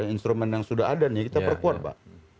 instrumen yang sudah ada nih kita perkuat pak